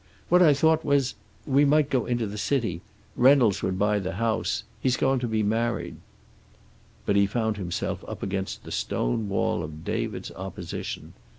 What I thought was We might go into the city. Reynolds would buy the house. He's going to be married." But he found himself up against the stone wall of David's opposition.